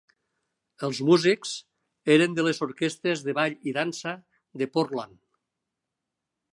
Els músics eren de les orquestres de ball i dansa de Portland.